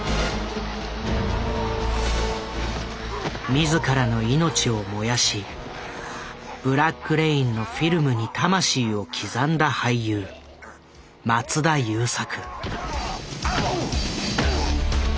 自らの命を燃やし「ブラック・レイン」のフィルムに魂を刻んだ俳優松田優作。